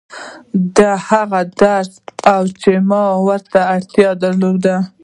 دا هغه درس و چې ما ورته اړتيا درلوده.